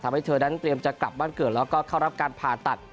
ทำให้เธอนั้นเตรียมจะกลับบ้านเกิดแล้วก็เข้ารับการผ่าตัด